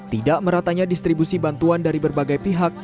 tidak meratanya distribusi bantuan dari berbagai pihak